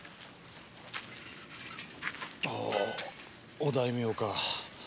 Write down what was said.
お大名か。